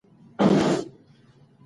د موبایل د سکرین محافظ باید بدل کړل شي.